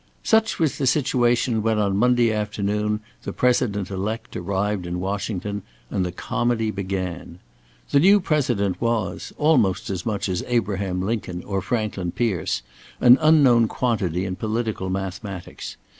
Such was the situation when on Monday afternoon the President elect arrived in Washington, and the comedy began. The new President was, almost as much as Abraham Lincoln or Franklin Pierce, an unknown quantity in political mathematics.